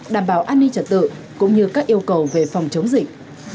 đảm bảo an ninh trật tự cũng như các yêu cầu về phòng chống dịch